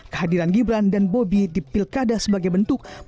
kehadiran gibran dan bobi di pilkada sebagai bentuk